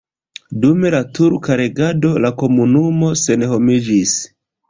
Dum la turka regado la komunumo senhomiĝis.